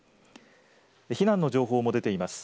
避難の情報も出ています。